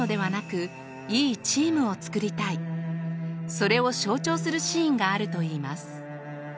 それを象徴するシーンがあると言います。